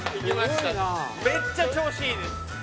めっちゃ調子いいです。